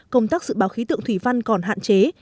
công tác dự báo khí tượng thủy văn còn hạn chế